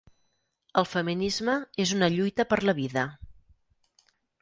El feminisme és una lluita per la vida.